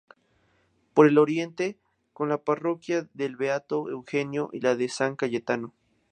Por el oriente con la Parroquia del Beato Eugenio y la de San Cayetano.